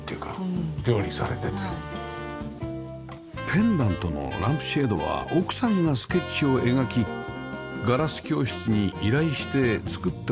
ペンダントのランプシェードは奥さんがスケッチを描きガラス教室に依頼して作ってもらったそうです